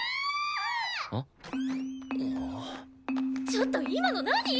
ちょっと今の何！？